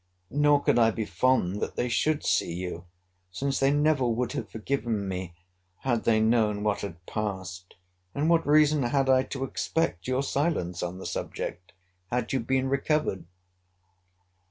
Nor could I be fond that they should see you; since they never would have forgiven me, had they known what had passed—and what reason had I to expect your silence on the subject, had you been recovered?